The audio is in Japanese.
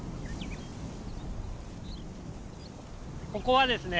ここはですね